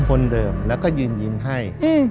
คนเดิมแล้วก็ยืนยิ้มให้